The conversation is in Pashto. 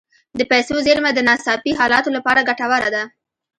د پیسو زیرمه د ناڅاپي حالاتو لپاره ګټوره ده.